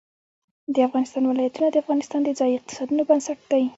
د افغانستان ولايتونه د افغانستان د ځایي اقتصادونو بنسټ دی.